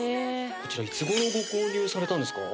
こちらいつごろご購入されたんですか？